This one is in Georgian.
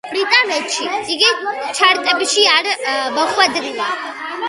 ბრიტანეთში იგი ჩარტებში არ მოხვედრილა.